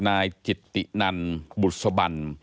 นายจิตตินันบุษบัน